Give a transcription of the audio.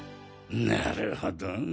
なるほど。